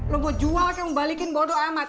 lo mau jual kamu balikin bodo amat